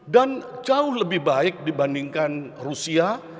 dan jauh lebih baik dibandingkan rusia